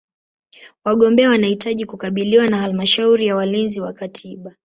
Wagombea wanahitaji kukubaliwa na Halmashauri ya Walinzi wa Katiba.